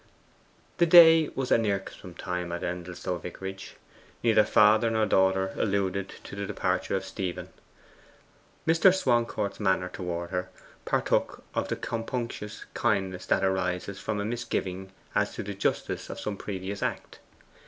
That day was an irksome time at Endelstow vicarage. Neither father nor daughter alluded to the departure of Stephen. Mr. Swancourt's manner towards her partook of the compunctious kindness that arises from a misgiving as to the justice of some previous act.